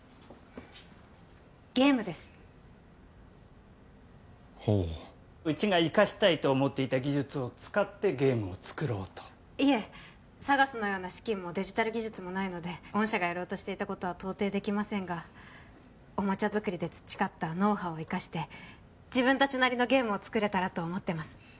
ゲームですほううちが生かしたいと思っていた技術を使ってゲームを作ろうといえＳＡＧＡＳのような資金もデジタル技術もないので御社がやろうとしていたことは到底できませんがおもちゃ作りで培ったノウハウを生かして自分達なりのゲームを作れたらと思ってます